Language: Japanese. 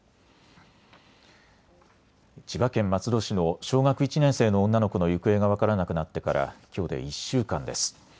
千葉県松戸市の小学１年生の女の子の行方が分からなくなってからきょうで１週間です。